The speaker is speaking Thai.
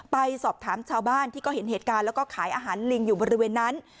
ไปสอบถามชาวบ้านที่ก็เห็นเหตุการณ์แล้วก็ขายอาหารลิงอยู่บริเวณนั้น